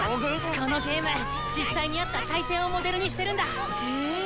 このゲーム実際にあった大戦をモデルにしてるんだ！へ。